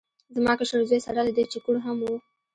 زما کشر زوی سره له دې چې کوڼ هم و